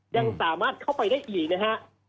ยังสามารถเข้าไปได้อีกนะฮะ